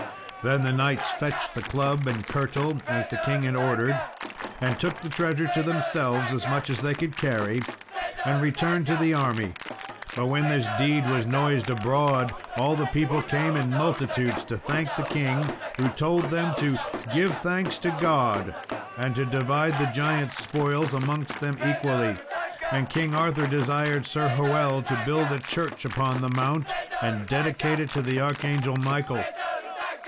Then the knights fetched the club and kirtle, as the king had ordered, and took the treasure to themselves, as much as they could carry, and returned to the army. But when this deed was noised abroad, all the people came in multitudes to thank the king, who told them "to give thanks to God, and to divide the giant's spoils amongst them equally." And King Arthur desired Sir Hoel to build a church upon the mount, and dedicate it to the Archangel Michael.